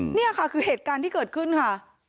นี่ค่ะคือเหตุการณ์ที่เกิดขึ้นค่ะ